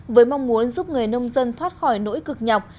với mong muốn giúp người nông dân thoát khỏi nỗi cực nhọc